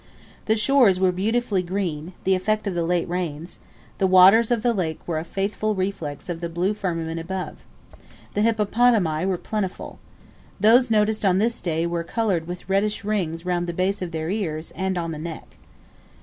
The shores were beautifully green, the effect of the late rains; the waters of the lake were a faithful reflex of the blue firmament above. The hippopotami were plentiful. Those noticed on this day were coloured with reddish rings round the base of their ears and on the neck.